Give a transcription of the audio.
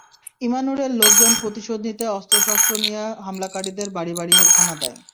ইমানুরের লোকজন প্রতিশোধ নিতে অস্ত্রশস্ত্র নিয়ে হামলাকারীদের বাড়ি বাড়ি গিয়ে হানা দেয়।